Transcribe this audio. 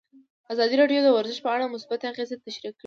ازادي راډیو د ورزش په اړه مثبت اغېزې تشریح کړي.